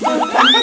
nggak usah ustaz